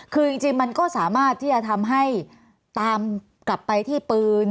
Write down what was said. คือจริงมันก็สามารถที่จะทำให้ตามกลับไปที่ปืน